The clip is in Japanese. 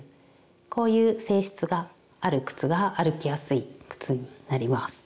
こういう性質がある靴が歩きやすい靴になります。